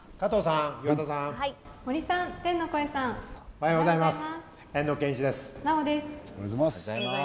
おはようございます。